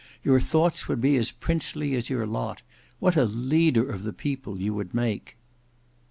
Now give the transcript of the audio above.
Your thoughts would be as princely as your lot. What a leader of the people you would make!"